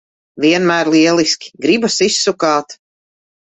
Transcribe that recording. Vienmēr lieliski! Gribas izsukāt.